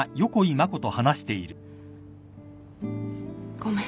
ごめん。